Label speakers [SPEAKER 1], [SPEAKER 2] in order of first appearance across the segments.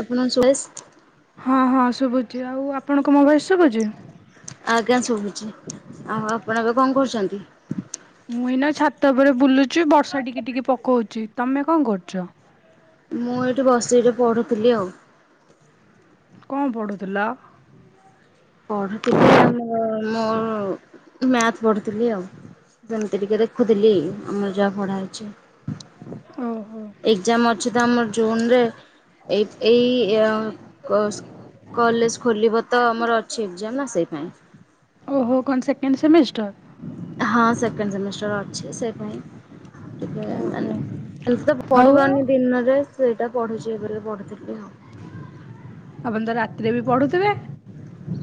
[SPEAKER 1] ଆପଣ ସୁରେଶ
[SPEAKER 2] କିଏ ଆଉ ଆପଣଙ୍କ ମୋବାଇଲ୍ ସ୍
[SPEAKER 1] ଆଜ୍ଞା ଶୁଭୁଛି ଆମର ପୁରା ବା କଣ କରୁଛନ୍ତି?
[SPEAKER 2] ମୁଁ ଏଇନା ଛାତ ଉପରେ ବୁଲୁଚି ବର୍ଷା ଟିକେ ଟିକେ ପକଉଚି ତମେ କଣ କରୁଛ?
[SPEAKER 1] ମୁଁ ଏଇଠି ବସି ପଢୁଥିଲି ଆଉ
[SPEAKER 2] କଣ ପଢୁଥିଲ?
[SPEAKER 1] ପଢୁଥିଲି ଆମୋ ମୋର ମ୍ୟାଥ୍ ପଢୁଥିଲି ଆଉ ଯେମତି ଟିକେ ଦେଖୁଥିଲି ଆମର ଯା ପଢ଼ାହେଇଛି
[SPEAKER 2] [inaudible]
[SPEAKER 1] ଏକଜାମ ଅଛି ତ ଆମର ଜୁନ୍ ରେ ଏଇ ଏଇ ଅ ଅସ୍ କଲେଜ ଖୋଲିବ ତ ଆମର ଛିପ ଯାମ୍ ନା ସେଇପାଇଁ
[SPEAKER 2] ଏଣ୍ଡ ସେମିଷ୍ଟର
[SPEAKER 1] ଛେ ସେ ପାଇଁ ଟିକେ
[SPEAKER 2] ଓହୋ
[SPEAKER 1] ମାନେ ଏମତି ତ
[SPEAKER 2] ଆଉ
[SPEAKER 1] ପଢିବନି ଦିନରେ ସେଇଟା ପଢୁଛି ଏବେବି ପଢୁଥିଲି ଆଉ।
[SPEAKER 2] ଆପଣ ତ ରାତିରେ ବି ପଢୁଥିବେ?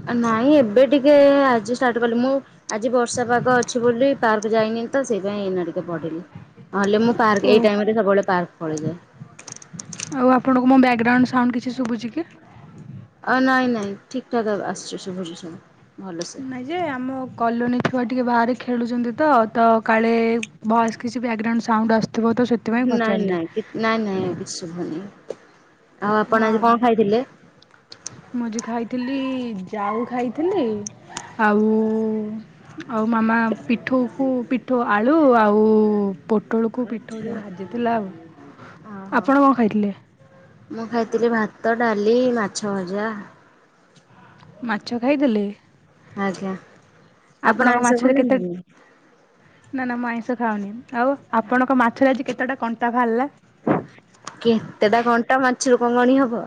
[SPEAKER 1] ନାଇଁ ଏବେ ଟିକେ ଆଜି ଷ୍ଟାର୍ଟ କଲି ମୁଁ ଆଜି ବର୍ଷା ପାଗ ଅଛି ବୋଲି ପାର୍କ ଯାଇନି ତ ସେଇ ପାଇଁ ଏଇନା ଟିକେ ପଢିଲି ନହେଲେ ମୁଁ
[SPEAKER 2] ଓ
[SPEAKER 1] ପାର୍କ ଏଇ ଟାଇମରେ ସବୁବେଳେ ପାର୍କ ପଳେଇଯାଏ।
[SPEAKER 2] ଆଉ ଆପଣଙ୍କୁ ମୋ ବ୍ୟାଗ୍ରାଉଣ୍ଡ ସାଉଣ୍ଡ କିଛି ଶୁଭୁଛି କି?
[SPEAKER 1] ଅ ନାଇଁ ନାଇଁ ଠିକଠାକ୍ ଆସୁଛି ଶୁଭୁଚି ସବୁ ଭଲସେ।
[SPEAKER 2] ନାଇଁ ଯେ ଆମ କଲୋନୀ ଥିବା ଟିକେ ବାହାରେ ଖେଳୁଛନ୍ତି ତ ତ କାଳେ ଭଏସ କିଛି ବ୍ୟାକଗ୍ରାଉଣ୍ଡ ସାଉଣ୍ଡ ଆସୁ
[SPEAKER 1] ନାଇଁ ନାଇଁ କି ନାଇଁ ନାଇଁ କିଛି ଶୁଭୁନି। ଆଉ ଆପଣ
[SPEAKER 2] ହଁ
[SPEAKER 1] ଆଜି କଣ
[SPEAKER 2] ହଁ
[SPEAKER 1] ଖାଇଥିଲେ?
[SPEAKER 2] ମୁଁ ଆଜି ଖାଇଥିଲି ଯାଉ ଖାଇଥିଲି ଆଉ ଆଉ ମାମା ପିଠୋଉକୁ ପିଠୋଉ ଆଳୁ ଆଉ ପୋଟଳକୁ ପିଠଉ
[SPEAKER 1] ଆଚ୍ଛା।
[SPEAKER 2] ଦେଇ ଭାଜିଥିଲା ଆଉ
[SPEAKER 1] ଓହୋ
[SPEAKER 2] ଆପଣ କଣ ଖାଇଥିଲେ?
[SPEAKER 1] ମୁଁ ଖାଇଥିଲି ଭାତ, ଡାଲି, ମାଛ ଭଜା।
[SPEAKER 2] ମାଛ ଖାଇଦେଲେ।
[SPEAKER 1] ଆଜ୍ଞା ଆପଣ
[SPEAKER 2] ଆପଣଙ୍କ
[SPEAKER 1] ଆଇଁଷ
[SPEAKER 2] ମାଛରେ କେତେ
[SPEAKER 1] ଖାଆନ୍ତିନି?
[SPEAKER 2] ନା ନା ମୁଁ ଆଇଁଷ ଖାଉନି ଆଉ ଆପଣଙ୍କ ମାଛରେ ଆଜି କେତେଟା କଣ୍ଟା ଭାରଲା?
[SPEAKER 1] କେତେଟା କଣ୍ଟା ମାଛରୁ କଣ ଗଣି ହବ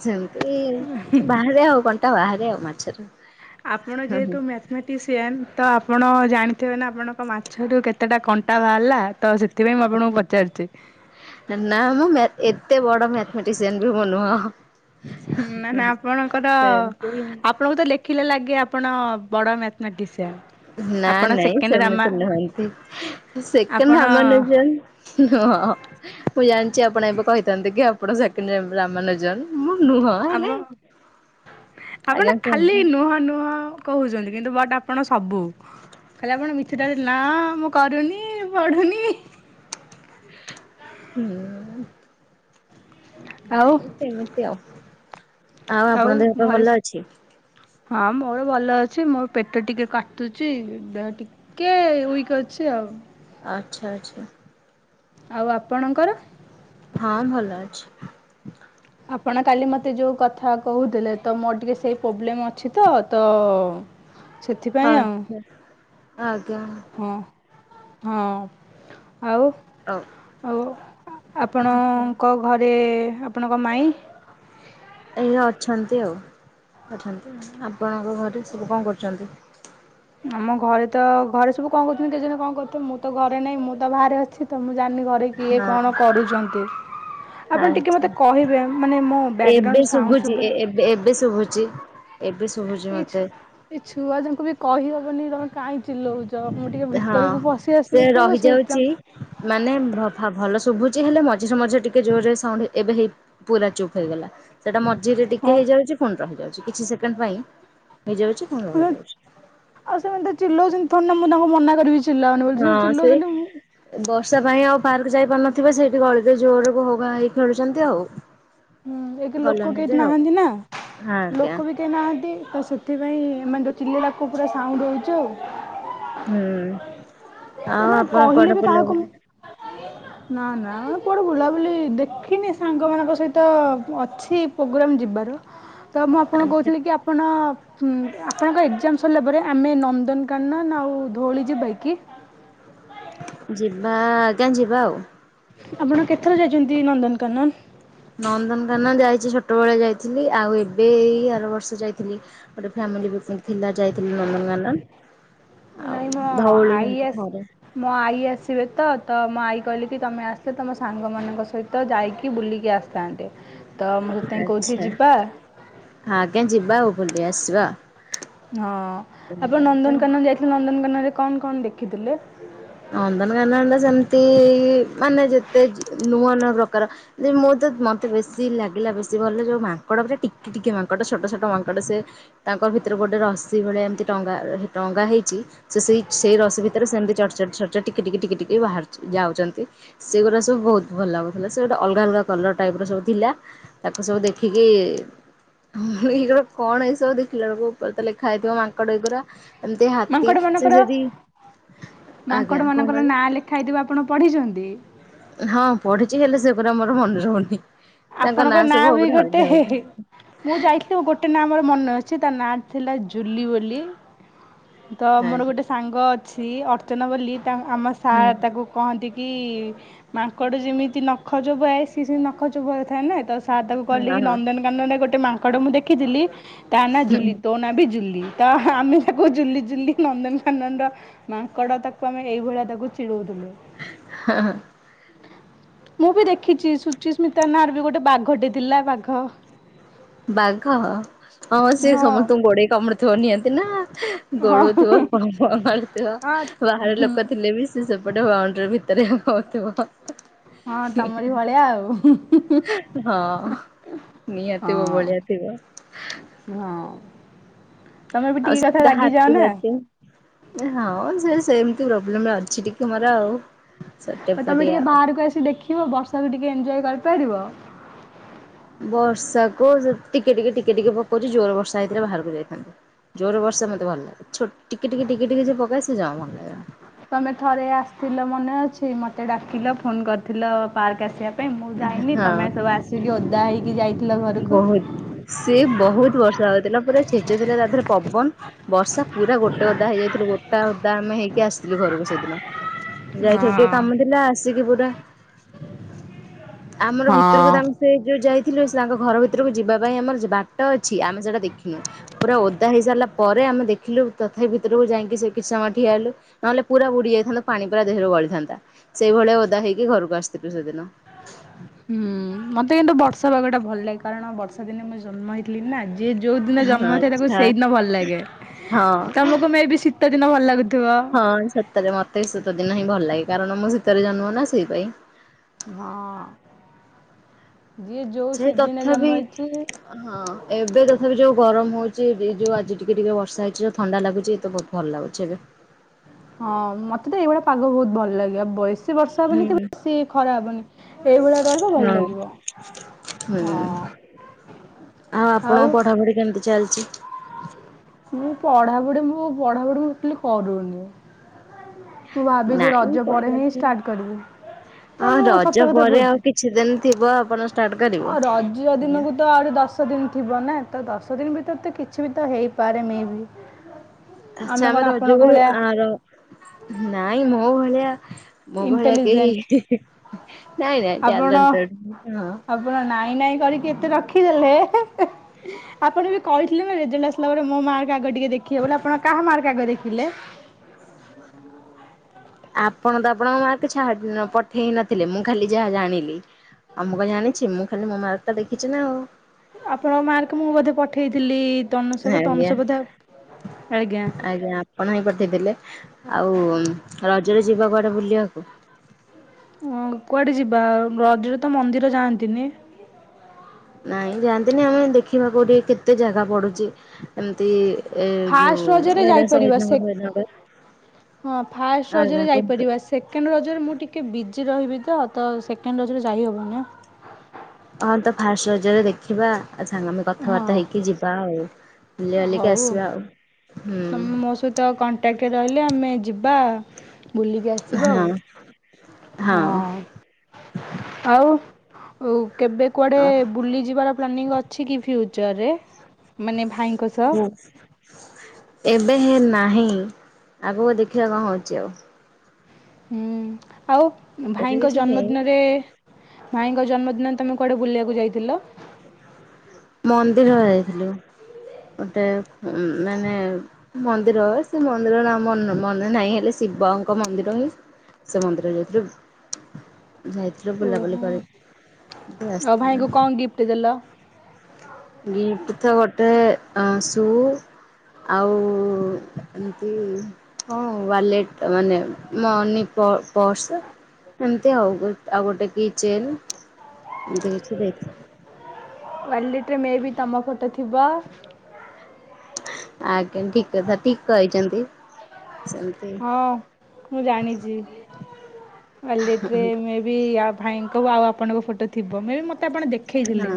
[SPEAKER 1] ସେମ ତି ବାହାରେ ହଉ କଣ୍ ବାହରେ ଆଉ ମାଛରୁ।
[SPEAKER 2] ଆପଣ ଯେହେତୁ ମ୍ୟାଥ ମେଟିସିଆନ ତ ଆ ପଣ ଜାଣି ଥିବେ ନା ଆପଣଙ୍କ ମାଛରୁ କେତଟା କ ଟା ବାହାରିଲା ତ ସେଥିପାଇ ମୁଁ ଆପଣଙ୍କୁ ପଚାରୁଚି।
[SPEAKER 1] ନା ମୁଁ ମ୍ୟା ଏତେ ବଡ ମ୍ୟାଥମେଟିସିଆନ ବି ମୁଁ ନୁହଁ।
[SPEAKER 2] ନ ନା ଆପଣଙ୍କର
[SPEAKER 1] ସେମତି
[SPEAKER 2] ଆପଣଙ୍କୁ ତ ଦେଖିଲେ ଲାଗେ ଆ ପଣ ବଡ ମ୍ୟା
[SPEAKER 1] ନା ନାଇଁ
[SPEAKER 2] ରାମା
[SPEAKER 1] ସେମିତି ନୁହନ୍ତି ସେକେଣ୍ଡ
[SPEAKER 2] ଆପଣ
[SPEAKER 1] ହାମାନୁଜନ୍ ନୁହଁ ମୁଁ ଜାଣିଚି ଆପଣ ଏବେ କହି ଥାନ୍ତି କି ଆପଣ ସେକଣ୍ଡ ରାମନୁଜନ ମୁଁ ନୁହଁ ହେଲେ
[SPEAKER 2] ଆବ ଆପଣ
[SPEAKER 1] ଆଜ୍ଞା
[SPEAKER 2] ନା ଖାଲି
[SPEAKER 1] କୁହନ୍ତୁ
[SPEAKER 2] ନୁଆଁ ନୁହଁ। କହୁଛନ୍ତି କିନ୍ତୁ ବଟ ଆପଣ ସବୁ ଖାଲି ଆପଣ ମିଛଟା ନା ମୁଁ କରୁନି ପଢୁନି।
[SPEAKER 1] ହୁଁ।
[SPEAKER 2] ଆଉ
[SPEAKER 1] ନାଁଇ ସେମିତି ଆଉ। ଆଉ ଆପଣଙ୍କ ଦେହ ପା ଭଲ ଅଛି?
[SPEAKER 2] ହଁ ମୋର ଭଲ ଅଛି ମୋ ପେଟ ଟିକେ କାଟୁଚି ଦେହ ଟିକେ ୱିକ ଅଛି ଆଉ।
[SPEAKER 1] ଆଚ୍ଛା ଆଚ୍ଛା।
[SPEAKER 2] ଆଉ ଆପଣଙ୍କର?
[SPEAKER 1] ହଁ ଭଲ ଅଛି।
[SPEAKER 2] ଆପଣ କାଲି ମତେ ଯୋଉ କଥା କହୁଥିଲେ ତ ମୋର ଟିକେ ସେଇ ପ୍ରୋବ୍ଲେମ ଅଛି ତ ତ ସେଥିପାଇଁ ଆଉ।
[SPEAKER 1] ଆଚ୍ଛା ଆଜ୍ଞା।
[SPEAKER 2] ହଁ ହଁ। ଆଉ
[SPEAKER 1] ହଉ
[SPEAKER 2] ଆଉ
[SPEAKER 1] ଆଚ୍ଛା।
[SPEAKER 2] ଆପଣଙ୍କ ଘରେ ଆପଣଙ୍କ ମାଇଁ?
[SPEAKER 1] ଏଇ ଅଛନ୍ତି ଆଉ ଅଛନ୍ତି ଆପଣଙ୍କ ଘରେ ସବୁ କଣ କରୁଚନ୍ତି?
[SPEAKER 2] ଆମ ଘରେ ତ ଘରେ ସବୁ କଣ କରୁଚନ୍ତି କେଜାଣି କଣ କରୁଥୁବେ ମୁଁ ତ ଘରେ ନାହିଁ ମୁଁ ତ ବାହାରେ ଅଛି ତ ମୁଁ ଜାଣିନି ଘରେ କିଏ କଣ କରୁଚନ୍ତି?
[SPEAKER 1] ଆଛା
[SPEAKER 2] ମାନେ ମୋ ବ୍ୟାକ୍ଗ୍ରାଉଣ୍ଡ
[SPEAKER 1] ଏବେ
[SPEAKER 2] ସାଉଣ୍ଡ
[SPEAKER 1] ଶୁବୁଚି ଏବେ ଏବେ ଶୁବୁଚି।
[SPEAKER 2] ଏଇ ଛୁ ଏଇ ଛୁଆ ଜାଙ୍କୁ ବି କହି ହବ ନି ତମେ କାଇଁ ଚିଲଉଚ।
[SPEAKER 1] ହଁ ସେ
[SPEAKER 2] ସେ
[SPEAKER 1] ରହିଯାଉଛି ମାନେ ଭଲ ଶୁଭୁ ଜି ହେଲେ ମଝିରେ ମଝିରେ ଟିକେ ଜୋରରେ ସାଉଣ୍ଡ ଏବେ ହେଇ ପୁରା ଚୁପ୍ ହେଇଗଲା। ସେଟା ମଝିରେ ଟିକେ
[SPEAKER 2] ହଁ
[SPEAKER 1] ହେଇଯାଉଛି ପୁଣି ରହିଯାଉଛି। କିଛି ସେକେଣ୍ଡ ପାଇଁ ହେଇଯାଉଛି ପୁଣି
[SPEAKER 2] ଆଉ ସେମାନେ ତ
[SPEAKER 1] ରହିଯାଉଛି।
[SPEAKER 2] ଚିଲଉଛନ୍ତି ଥୋଡି ନା ମୁଁ ତାଙ୍କୁ ମନା କରିବି ଚିଲାଅନି ବୋଲି ସେ
[SPEAKER 1] ହଁ
[SPEAKER 2] ଚିଲଉଛନ୍ତି ମୁଁ
[SPEAKER 1] ସେଇ ବର୍ଷା ପାଇଁ ପାର ଯାଇପାରୁନଥିବେ ସେଇଠି ଗଳି ରେ ଜୋରକୁ ଘୋ ଘା ହେଇ ଖେଳୁଛନ୍ତି ଆଉ
[SPEAKER 2] ହୁଁ ଏକ୍ ରେ ଲୋକ
[SPEAKER 1] କଲୋନୀରେ
[SPEAKER 2] କେହି
[SPEAKER 1] ଆଉ
[SPEAKER 2] ନାହାନ୍ତି ନା।
[SPEAKER 1] ଆଜ୍ଞା
[SPEAKER 2] ଲୋକ ବି କେହି ନାହାନ୍ତି ତ ସେ ସେଥିପାଇଁ ମାନେ ଚିଲେଇଲା କୁକୁର ପୁରା ସାଉଣ୍ଡ ହଉଚି ଆଉ
[SPEAKER 1] ହୁଁ। ଆଉ
[SPEAKER 2] ମାନେ
[SPEAKER 1] ଆପଣ
[SPEAKER 2] କହିଲେ
[SPEAKER 1] କୁଆଡେ
[SPEAKER 2] ବି କାହାକୁ
[SPEAKER 1] ବୁଲାବୁଲି
[SPEAKER 2] ନା ନା ନାଁ କୁଆଡେ ବୁଲାବୁଲି ଦେଖିନି ସାଙ୍ଗମାନଙ୍କ ସହିତ ଅଛି ପୋଗ୍ରାମ ଯିବାର। ତ ମୁଁ ଆପଣଙ୍କୁ
[SPEAKER 1] ଆଚ୍ଛା
[SPEAKER 2] କହୁଥିଲି କି ଆପଣ ହୁଁ ଆପଣଙ୍କ ଏକ୍ଜାମ ସରିଲା ପରେ ଆମେ ନନ୍ଦନକାନନ ଆଉ ଧଉଳି ଯିବା କି?
[SPEAKER 1] ଯିବା ଆଜ୍ଞା ଯିବା ଆଉ।
[SPEAKER 2] ଆପଣ କେତେଥର ଯାଇଛନ୍ତି ନନ୍ଦନକାନନ?
[SPEAKER 1] ନନ୍ଦନକାନନ ଯାଇଛି ଛୋ ଛୋଟବେଳେ ଯାଇଥିଲି ଆଉ ଏବେ ଏଇ ଆର ବର୍ଷ ଯାଇଥିଲି। ଗୋଟେ ଫ୍ୟାମିଲି ପିକନିକ ଥିଲା ଯାଇଥିଲ ନନ୍ଦନକାନନ।
[SPEAKER 2] ନାଇଁ ମୋ
[SPEAKER 1] ଆଉ ଧଉଳି
[SPEAKER 2] ଆଈ
[SPEAKER 1] ହେମିତି
[SPEAKER 2] ଆସ
[SPEAKER 1] ଥରେ।
[SPEAKER 2] ମୋ ଆଈ ଆସିବେ ତ ତ ମୋ ଆଈ କହିଲେ କି ତମେ ଆସ ତମେ ସାଙ୍ଗମାନଙ୍କ ସହିତ ଯାଇକି ବୁଲିକି ଆସିଥାନ୍ତେ। ତ ମୁଁ ସେଥିପାଇଁ କହୁଥିଲି
[SPEAKER 1] ଆଛା
[SPEAKER 2] ଯିବା
[SPEAKER 1] ଆଜ୍ଞା ଯିବା ଆଉ ବୁଲିଆ ଆସିବା।
[SPEAKER 2] ହଁ। ଆପଣ ନନ୍ଦନକାନନ ଯାଇଥିଲେ ନନ୍ଦନ କାନନ କଣ କଣ ଦେଖ
[SPEAKER 1] ନନ୍ଦନକାନନ ରେ ସେମ୍ ତି ମାନେ ଯେତେ ନୂଆ ନୂଆ ପ୍ରକାର ମୁଁ ତ ମୋତେ ବେଶୀ ଲାଗିଲା ବେଶୀ ଭଲ ଯେଉଁ ମାଙ୍କଡ଼ ପୁରା ଟିକି ଟିକି ମାଙ୍କଡ଼ ଛୋଟ ଛୋଟ ମାଙ୍କଡ଼ ସେ ତାଙ୍କର ଭିତରେ ଗୋଟେ ରସିି ଭଳିଆ ଏମିତି ଟଙ୍ଗା ଟଙ୍ଗା ହେଇଛି ସେ ସେଇ ସେଇ ରସି ଭିତରେ ତାରେ ସେମତି ଚଢ଼ି ଚଢ଼ି ଟିକେ ଟିକେ ଟିକେ ଟିକେ ବାହରୁଚି ଯାଉଛନ୍ତି। ସେଗୁରା ସବୁ ବହୁତ ଭଲ ଲାଗୁଥିଲା। ସେ ଗୋଟେ ଅଲଗା ଅଲଗା କଲର ଟାଇପ ର ସବୁ ଥିଲା ତାକୁ ସବୁ ଦେଖିକି ଏଇ ଗୁରା କଣ ଏ ସବୁ ଦେଖିଲା ବେଳକୁ ତାହେଲେ ଖାଇଦେବ ମାଙ୍କଡ ଏଗୁରା। ଏମିତି ହାତୀ ସେ ସେଠି
[SPEAKER 2] ମାଙ୍କଡ ମାନଙ୍କର ନାଁ ଲେଖାହେଇଥିବା ଆପଣ ପଢିଛନ୍ତି।
[SPEAKER 1] ହଁ ପଢିଛି ହେଲେ ସେ ଗୁରା ମୋର ମନେ ରହୁନି। ତାଙ୍କ
[SPEAKER 2] ଆପଣଙ୍କ ନାଁ
[SPEAKER 1] ସବୁ
[SPEAKER 2] ବି
[SPEAKER 1] ପୁରା
[SPEAKER 2] ଗୋଟେ
[SPEAKER 1] ଅଲଗା
[SPEAKER 2] ହେଁ
[SPEAKER 1] ଅଲଗା
[SPEAKER 2] ହେଁ ମୁଁ ଯାଇଥିଲି ଗୋଟେ ନାଁ ମୋର ମନେ ଅ ଅଛି ତା ନା ଥିଲା ଜୁଲି ବୋଲି। ତ ମୋର
[SPEAKER 1] ଆଜ୍ଞା।
[SPEAKER 2] ଗୋଟେ ସାଙ୍ଗ ଅଛି ଅର୍ଚ୍ଚନା ବୋଲି ତ ଆମ
[SPEAKER 1] ହୁଁ
[SPEAKER 2] ସାର୍ ତାକୁ କହନ୍ତି କି କି? ମାଙ୍କଡ଼ ଯେମିତି ନ ଖଜବଆଉ ସିଜିନ୍ କ [unintelligible] ଥାଏ ନା ତ ସ ତାକୁ କଲିକି
[SPEAKER 1] ହଁ ହଁ
[SPEAKER 2] ନନ୍ଦନକାନନ ଗୋଟେ ମାଆ କଡୁ ମୁଁ ଦେଖିଥିଲି। ତା ନାଁ
[SPEAKER 1] ହଁ
[SPEAKER 2] ଜୁଲି ତୋ ନାଁ ବି ଜୁଲି ତ ଆମେ ତାକୁ ଜୁଲି ଜୁ ଜୁଲି ନନ୍ଦନକାନନ ର ମାଙ୍କଡ ତାକୁ ଆମେ ଏଇଭଳିଆ ତାକୁ ଚିଡଉଛ ଥିଲେ।
[SPEAKER 1] ହଁ
[SPEAKER 2] [inaudible] ମୁଁ ବି ଦେଖିଚି ସୁଚିସ ମିତାନାଁରେ ବି ଗୋଟେ ବାଘଟେ ଥିଲା ବାଘ।
[SPEAKER 1] ବାଘ ହଁ ସେ
[SPEAKER 2] ହଁ
[SPEAKER 1] ସମସ୍ତଙ୍କୁ ଗୋଡେଇ କାମୁ ଧୋ ନିଅନ୍ତି ନାଁ
[SPEAKER 2] ହଁ
[SPEAKER 1] ଗୋଳଉଥିବବନଉଥିବ
[SPEAKER 2] ହଁ
[SPEAKER 1] ବାହାର ଲୋକ ଥିଲେ ବି ସେ ସବୁ ଗୋଟେ ବାଉଣ୍ଡ୍ରି ଭିତରେ ହ ହ ହୋଉଥିବ।
[SPEAKER 2] ହଁ ତମରି ଭଳିଆ ଆଉ ହୁଁ।
[SPEAKER 1] ହଁ ନିହା ଥିବ ଭଳିଆ
[SPEAKER 2] ହଁ
[SPEAKER 1] ଥିବ।
[SPEAKER 2] ହଁ। ତମେ ବି ଟିକେ କଥା ରାଗି ଯାଅ
[SPEAKER 1] ହାତୀ
[SPEAKER 2] ନା।
[SPEAKER 1] ଫାତୀ ହଁ ସେ ସେମତି ପ୍ରୋବେଲମରେ ଅଛ
[SPEAKER 2] ତମେ ଟିକେ
[SPEAKER 1] ଆଉ
[SPEAKER 2] ବାହାରକୁ ଆସି ଦେଖିବ ବର୍ଷାକୁ ଟିକେ ଏଞ୍ଜୟ କର ପାରିବ
[SPEAKER 1] ବର୍ଷାକୁ ଜୋ ଟିକେ ଟିକେ ଟିକେ ଟିକେ ପକଉଛି ଜୋରେ ବର୍ଷା ହେଇଥିଲେ ବାହାରକୁ ଯାଇଥାନ୍ତି ଜୋରେ ବର୍ଷା ମତେ ଭଲ ଲାଗେ ଛୋ ଟିକେ ଟିକେ ଟିକେ ଟିକେ ଯଏ ପକାଏ ସେଏ ଜମା ଭଲ ଲାଗେନି।
[SPEAKER 2] ତମେ ଥରେ ଆସିଥିଲ ମନେ ଅଛି, ମତେ ଡାକିଲ ଫୋନ କରିଥିଲ ପାର୍କ ଆସିବାକୁ।
[SPEAKER 1] ହଁ
[SPEAKER 2] ହେଇକି ଯାଇଥିଲ ଘରକୁ।
[SPEAKER 1] ବହୁତ ସେ ବହୁତ ବର୍ଷା ହଉଥିଲା ପୁରା ଛେଚୁ ଥିଲା ତା ଦେହରେ ପବନ ବର୍ଷା ପୁରା ଗୋଟା ଅଦା ହେଇଯାଇଥିଲୁ ଗୋଟା ଓଦା ଆମେ ହେଇକି ଆସିଥିଲୁ ଘରକୁ ସେଦିନ
[SPEAKER 2] ହଁ
[SPEAKER 1] ଯାଇଥିଲି ଟିକେ କାମ ଥିଲା। ସିଜୁ ବୁଦା ଆମର ଭିତରକୁ
[SPEAKER 2] ହଁ।
[SPEAKER 1] ତାଙ୍କ ସେ ଯୋ ଯାଇ ଥିଲୁ ସେ ତାଙ୍କ ଘର ଭିତରକୁ ଯିବା ପାଇଁ ଆମର ବାଟ ଅଛି ଆମେ ସେଟା ଦେଖିନୁ ପୁରା ଓଦା ହେଇସାରିଲା ପରେ ଆମେ ଦେଖିଲୁ ତଥାପି ଭିତରକୁ ଯାଇକି ସେ କିଛି ସମୟ ଠିଆହେଲୁ ନହେଲେ ପୁରା ବୁଡି ଯାଇଥାନ୍ତୁ ପାଣି ପୁରା ଦେହରୁ ଗଳିଥାନ୍ତା ସେଇଭଳିଆ ଓଦା ହେଇକି ଘରକୁ ଆସିଥିଲୁ ସେଦିନ
[SPEAKER 2] ହୁଁ ମତେ ତ କିନ୍ତୁ ବର୍ଷ ସବୁ ଆଗଟା ଭଲ ଲାଗେ କାରଣ ବର୍ଷା ଦିନେ ମୁଁ ଜନ୍ମ ହୋଇଥିଲି ନା ଆ। ଯିଏ ଯୋଉ ଦିନ
[SPEAKER 1] ହଁ
[SPEAKER 2] ଜନ୍ମହେଇଥାଏ ତାକୁ
[SPEAKER 1] ଆଚ୍ଛା।
[SPEAKER 2] ସେଇଦିନ ଭଲ ଲାଗେ
[SPEAKER 1] ହଁ
[SPEAKER 2] ତମକୁ ମେ ବି ଶୀତ ଦିନ ଭଲ ଲାଗୁଥିବ।
[SPEAKER 1] ହଁ ସତରେ ମତେ ବି ଶୀତ ଦିନ ହିଁ ଭଲ ଲାଗେ କାରଣ ମୁଁ ଶୀତରେ ଜନ୍ମ ନା ସେଇ ପାଇଁ।
[SPEAKER 2] ହଁ। ଯିଏ ଯୋଉ
[SPEAKER 1] ସେ
[SPEAKER 2] ସିଜିନରେ ଜନ୍ମ
[SPEAKER 1] ତଥାପି
[SPEAKER 2] ହେଇଛି
[SPEAKER 1] ହଁ ଏବେ ଯୋଉ ତଥାପି ଯୋଉ ଗରମ ହଉଚି ଏଇ ଯୋଉ ଆଜି ଟିକେ ଟିକେ ବର୍ଷା ହେଇଛି ଯେ ଥଣ୍ଡା ଲାଗୁଚି ତ ବହୁତ ଭଲ ଲାଗୁଛି ଏବେ।
[SPEAKER 2] ହଁ ମତେ ତ ଏଇଭଳିଆ ପାଗ ବହୁତ ଭଲ ଲାଗେ ଆଉ ବୟସ ବେଶୀ ବର୍ଷା
[SPEAKER 1] ହୁଁ
[SPEAKER 2] ହବନି କି ବେଶୀ ଖରା ହବନି ଏଇଭଳିଆ ରହିବ ଭଲ
[SPEAKER 1] ହଁ। ହୁଁ
[SPEAKER 2] ଲାଗିବ ହଁ ଆଉ
[SPEAKER 1] ଆପଣଙ୍କ ପଢାପଢି କେମିତି ଚାଲିଛି?
[SPEAKER 2] ମୁଁ ପଢାପଢି ମୁଁ ମୁଁ ପଢା ପଢି ମୁଁ ତୋଟାଲେ କରୁନି। ମୁଁ ଭାବିଚି
[SPEAKER 1] ନାଇଁ
[SPEAKER 2] ରଜ ପଡେ ହିଁ
[SPEAKER 1] କରିନଥିଲି।
[SPEAKER 2] ଷ୍ଟାର୍ଟ କରିବି ତ
[SPEAKER 1] ହଁ
[SPEAKER 2] ମୁଁ
[SPEAKER 1] ରଜ
[SPEAKER 2] ସତ କଥା
[SPEAKER 1] ପରେ ଆଉ
[SPEAKER 2] କହୁଛିୁ
[SPEAKER 1] କିଛି ଦିନ ଥିବ ଆପଣ ଷ୍ଟାର୍ଟ କରିବେ।
[SPEAKER 2] ରଜ
[SPEAKER 1] ହୁଁ।
[SPEAKER 2] ଦିନକୁ ତ ଆହୁରି ଦଶ ଦିନ ଥିବ ନା ତ ଦଶ ଦଶ ଦିନ ଭିତରେ ତ କିଛି ବି ତ ହେଇପାରେ ମେ ବି।
[SPEAKER 1] ଆଛା ଆମେ
[SPEAKER 2] କ'ଣ ଆପଣଙ୍କ
[SPEAKER 1] ରଜକୁ
[SPEAKER 2] ଭଳିଆ
[SPEAKER 1] ଆର ନାଇଁ ମୋ ଭଳିଆ ମୋ ଭଳିଆ କେହି
[SPEAKER 2] ଇଣ୍ଟେଲିଜେଣ୍ଟ
[SPEAKER 1] ନାଇଁ ନାଇଁଁ
[SPEAKER 2] ଆପଣ
[SPEAKER 1] ଟ୍ୟାଲେଣ୍ଟଡ଼
[SPEAKER 2] ତେ ରଖିଦେଲେ ଆପଣ ବି କହିଥିଲେ ନା ରେଜଲଟ ଆସିଲା ପରେ ମୋ ମାର୍କ ଆଗ ଟିକେ ଦେଖିବେ ବୋଲି ଆପଣ କାହା ମାର୍କ ଆଗ ଦେଖିଲେ।
[SPEAKER 1] ଆପଣ ତ ଆପଣଙ୍କ ମାର୍କ ଛାଡିନ ପଠେଇ ନଥିଲେ ମୁଁ ଖାଲି ଯାହା ଜାଣିଲି ଆଉ ମୁଁ କଣ ଜାଣିଛି ମୁଁ ଖାଲି ମୋ ମାର୍କ ଟା ଦେଖିଛି ନା ଆଉ।
[SPEAKER 2] ଆପଣଙ୍କ ମାର୍କ ମୁଁ ବୋଧେ ପଠେଇଥିଲି। ତନୁଷକୁ
[SPEAKER 1] ଆଜ୍ଞା
[SPEAKER 2] ତନୁଷ ବୋଧେ ଆଜ୍ଞା।
[SPEAKER 1] ଆଜ୍ଞା ଆପଣ ହିଁ ପଠେଇଲେ ଆଉ ରଜରେ ଯିବା କୁଆଡେ ବୁଲିବାକୁ।
[SPEAKER 2] ହଁ କୁଆଡେ ଯିବା ରଜରେ ତ ମନ୍ଦିର ଯାଆନ୍ତିନି।
[SPEAKER 1] ନାଇଁ ଯାଆନ୍ତିନି ଆମେ ଦେଖିବା କଉଠି କେତେ ଜାଗା ପଡୁଚି ଏମିତି ଏ
[SPEAKER 2] ଫାଷ୍ଟେ
[SPEAKER 1] ଯୋଉ
[SPEAKER 2] ରଜରେ
[SPEAKER 1] ମେଳା ଶହୀଦ
[SPEAKER 2] ଜାଇପାରିବା ସେ
[SPEAKER 1] ନଗର ଫହିଦ ନଗର
[SPEAKER 2] ହଁ ଫାଷ୍ଟେ
[SPEAKER 1] ଆଜ୍ଞା
[SPEAKER 2] ରଜରେ
[SPEAKER 1] କୁହନ୍ତୁ।
[SPEAKER 2] ଯାଇପାରିବା ସେକେଣ୍ଡ ରଜରେ ମୁଁ ଟିକେ ବିଜି ରହିବି। ତ ତ ସେକେଣ୍ଡେ ରଜରେ ଯାଇ ହବନି ଆଁ।
[SPEAKER 1] ହଁ ତ ଫାଷ୍ଟେ ରଜରେ ଦେଖ ଖିବା ଆଉ ସାଙ୍ଗ ମାନେ ସାେ
[SPEAKER 2] ହଁ
[SPEAKER 1] କଥାବାର୍ତ୍ତା ହେଇକି ଯିବା ଆଉ। ବୁଲି ବାଲିକି
[SPEAKER 2] ହଉ
[SPEAKER 1] ଆସିବା ଆଉ। ହୁଁ
[SPEAKER 2] ତମେ ମୋ ସହିତ ଆଉ କଣ୍ଟାକ୍ଟ ରହିଲେ ଆମେ ଯିବା ବୁଲିକି ଆସିବା ଆଉ
[SPEAKER 1] ହଁ
[SPEAKER 2] ହଁ ଆଉ ଓଉ। କେବେ କୁଆଡ଼େ
[SPEAKER 1] ହଁ।
[SPEAKER 2] ବୁଲିଯିବାର ପ୍ଲାନିଂ ଅଛି କି? ଫ୍ୟୁଚରରେ ମାନେ ଭାଇଙ୍କ ସହ।
[SPEAKER 1] ଏବେ ହେ ନାହିଁ ଆଗକୁ ଦେଖିବା କଣ ହେଉଚି ଆଉ।
[SPEAKER 2] ହୁଁ। ଆଉ
[SPEAKER 1] ଏବେ
[SPEAKER 2] ଭାଇଙ୍କ
[SPEAKER 1] କିଛି ହେଇନି
[SPEAKER 2] ଜନ୍ମଦିନରେ ଭାଇଙ୍କ ଜନ୍ମଦିନ। ତୁମେ କୁଆଡ଼େ ବୁଲିବାକୁ ଯାଇଥିଲ।
[SPEAKER 1] ମନ୍ଦିର ଯାଇଥିଲୁ ଗୋଟେ ମାନେ ମନ୍ଦିର ହ ସେ ମନ୍ଦିର ନାଁ ମନ ମନେ ନାହିଁ ହେଲେ ଶିବଙ୍କ ମନ୍ଦିର ହିଁ ସେ ମନ୍ଦିର ଯାଇଥିଲୁ। ଯାଇଥିଲୁ ବୁଲାବୁଲି
[SPEAKER 2] ଓହୋ
[SPEAKER 1] କରିକି ଆସିଥିଲଥିଲୁ।
[SPEAKER 2] ଟି ଦେଲ
[SPEAKER 1] ଗିଫ୍ଟ ତ ଗୋଟେ ଆଁ ସୁ ଆଉ ଏମିତି ହଁ ୱାଲେଟ୍। ତ ମାନେ ମନି ପ-ପର୍ସ ଏମତି ଆଉ ଆ ଆଉ ଗୋଟେ କି ଚେନ୍ ଏମତି ହେଇଚି ଦେଖେ।
[SPEAKER 2] ମେବି ତମ ଫଟୋ ଥିବ।
[SPEAKER 1] ଆଜ୍ଞା ଠିକ କଥା ଠିକ କହିଛନ୍ତି। ସେମିତି
[SPEAKER 2] ହଁ ମୁଁ ଜାଣିଛି ୱାଲେଟ ରେ ମେବି ୟା ଭାଇଙ୍କ ଆଉ ଆପଣଙ୍କ ଫୋ ଥିବ ମେ ବି ମତେ ଆପଣ ଦେଖେଇଥିଲେ
[SPEAKER 1] ହଁ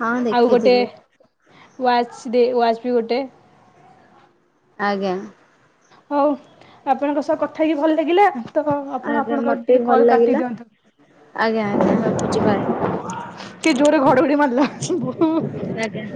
[SPEAKER 1] ହଁ
[SPEAKER 2] ଗୋଟେ
[SPEAKER 1] ଦେଖେଇଥିଲି
[SPEAKER 2] ୱାଚ୍ ଦେ ୱାଚ୍ ବି ଗୋଟେ
[SPEAKER 1] ଆଜ୍ଞା।
[SPEAKER 2] ହଉ ଆପଣଙ୍କ ସହ କଥା ହେଇକି ଭଲ ଲାଗିଲା। ତ ଆପଣ
[SPEAKER 1] ଆଜ୍ଞା
[SPEAKER 2] ଆପଣଙ୍କ ଆଡୁ
[SPEAKER 1] ମତେ
[SPEAKER 2] ଟିକେ
[SPEAKER 1] ବି ଭଲ
[SPEAKER 2] କଲ କାଟି
[SPEAKER 1] ଲାଗିଲା
[SPEAKER 2] ଦିଅନ୍ତୁ
[SPEAKER 1] ଆଜ୍ଞା ଆଜ୍ଞା ରଖୁଛି ବାଏ
[SPEAKER 2] କି ଜୋରେ ଘଡଘଡି ମାରିଲା ବୋଉ।
[SPEAKER 1] ଆଜ୍ଞା।